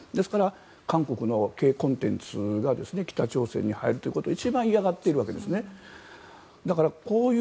韓国のＫコンテンツが北朝鮮に入ることを一番嫌がっているわけですね。